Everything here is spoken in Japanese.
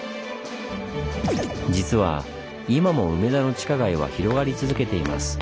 実は今も梅田の地下街は広がり続けています。